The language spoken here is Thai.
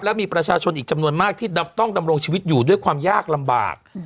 และมีประชาชนอีกจำนวนมากที่ต้องดำรงชีวิตอยู่ด้วยความยากลำบาก